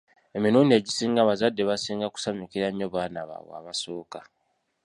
Emirundi egisinga abazadde basinga kusanyukira nnyo baana baabwe abasooka.